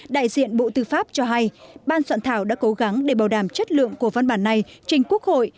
đại diện bộ tư pháp cho hay ban soạn thảo đã cố gắng để bảo đảm chất lượng của văn bản này trình quốc hội